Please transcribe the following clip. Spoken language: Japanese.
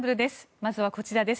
まずはこちらです。